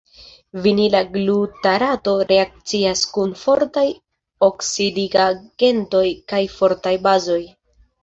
Vinila glutarato reakcias kun fortaj oksidigagentoj kaj fortaj bazoj.